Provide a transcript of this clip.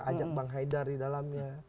ajak bang haidar di dalamnya